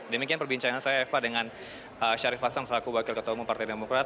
demikian perbincangan saya eva dengan syarif hasan selaku wakil ketua umum partai demokrat